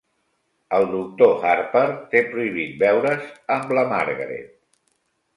El Doctor Harper té prohibit veure's amb la Margaret.